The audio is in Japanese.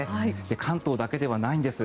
関東だけではないんです。